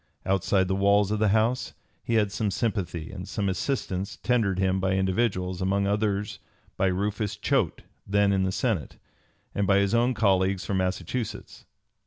Outside the walls of the House he had some sympathy and some assistance tendered him by individuals, among others by Rufus Choate then in the Senate, and by his own colleagues from Massachusetts.